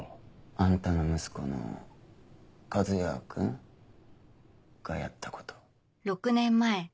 あんたの息子の和哉くんがやった事。